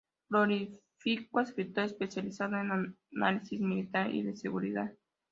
Prolífico escritor, especializado en análisis militar y de seguridad.